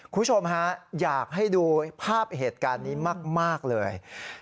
คุณผู้ชมฮะอยากให้ดูภาพเหตุการณ์นี้มากเลย